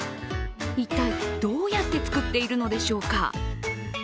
一体どうやって作っているのでしょうか。